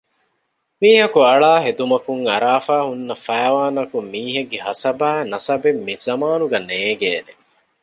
މީހަކު އަޅާ ހެދުމަކުން އަރާފައި ހުންނަ ފައިވާނަކުން މީހެއްގެ ހަސަބާއި ނަސަބެއް މިޒަމާނަކު ނޭންގޭނެ